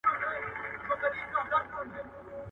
• سل عقله په سلو ټکرو زده کېږي.